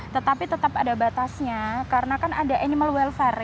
tetapi tetap ada batasnya karena kan ada animal welfare